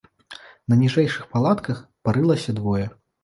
На ніжэйшых палатках парылася двое.